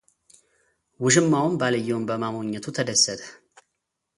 ውሽማውም ባልየውን በማሞኘቱ ተደሰተ፡፡